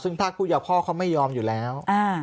ซึ่งถ้าพูดอย่างพ่อเขาไม่ยอมอยู่แล้ว